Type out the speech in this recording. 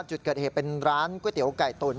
จุดเกิดเหตุเป็นร้านก๋วยเตี๋ยวไก่ตุ๋น